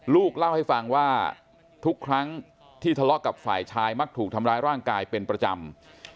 ลูกเล่าให้ฟังว่าทุกครั้งที่ทะเลาะกับฝ่ายชายมักถูกทำร้ายร่างกายเป็นประจำ